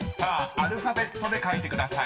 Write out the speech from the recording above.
［アルファベットで書いてください］